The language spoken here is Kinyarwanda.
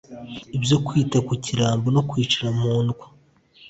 Ibyo kwitwa ikirumbo No kwicara mpondwa